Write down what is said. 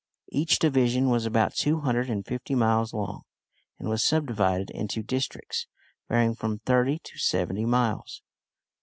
Each division was about 250 miles long, and was subdivided into districts varying from thirty to seventy miles.